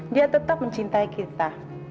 dia tetap mencintai kita